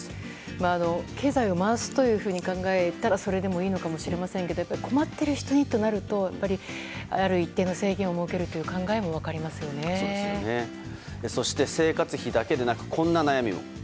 経済を回すというふうに考えたら、それでもいいのかもしれませんが困っている人にとなるとある一定の制限を生活費だけでなくこんな悩みも。